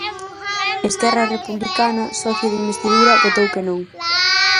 Esquerra Republicana, socio de investidura, votou que non.